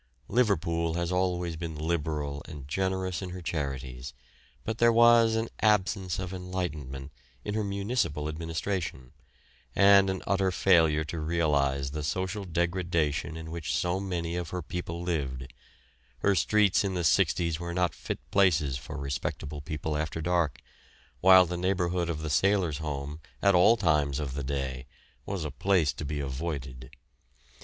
Liverpool was always liberal and generous in her charities, but there was an absence of enlightenment in her municipal administration, and an utter failure to realise the social degradation in which so many of her people lived; her streets in the 'sixties were not fit places for respectable people after dark, while the neighbourhood of the Sailors' Home at all times of the day was a place to be avoided.